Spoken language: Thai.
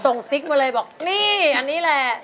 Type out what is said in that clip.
ซิกมาเลยบอกนี่อันนี้แหละ